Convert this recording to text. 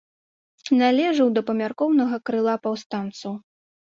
Належаў да памяркоўнага крыла паўстанцаў.